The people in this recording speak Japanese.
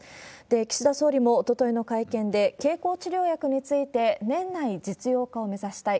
岸田総理もおとといの会見で、経口治療薬について、年内実用化を目指したい。